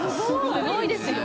すごいですよ。